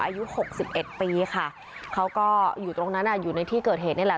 อายุหกสิบเอ็ดปีค่ะเขาก็อยู่ตรงนั้นอยู่ในที่เกิดเหตุนี่แหละ